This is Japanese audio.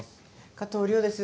加藤諒です。